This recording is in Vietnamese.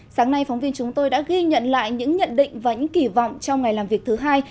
sáng nay phóng viên chúng tôi đã ghi nhận lại những nhận định và những kỳ vọng trong ngày làm việc thứ hai